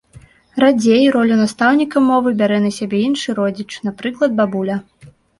Радзей, ролю настаўніка мовы бярэ на сябе іншы родзіч, напрыклад бабуля.